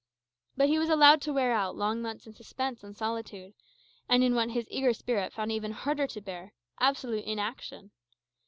But he was allowed to wear out long months in suspense and solitude, and in what his eager spirit found even harder to bear, absolute inaction.